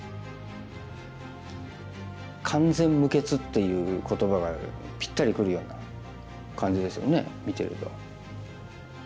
続いてはっていう言葉がぴったりくるような感じですよね見てると。